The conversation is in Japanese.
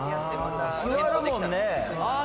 座るもんね。